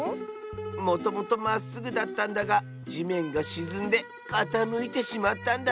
もともとまっすぐだったんだがじめんがしずんでかたむいてしまったんだ。